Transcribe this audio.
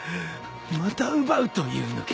また奪うというのか。